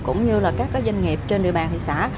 cũng như là các doanh nghiệp trên địa bàn thị xã